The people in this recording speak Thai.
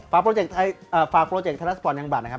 ฝากโปรเจกต์ไทราสปอร์ตยังบัดนะครับ